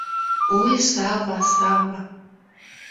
Ой, Сава, Сава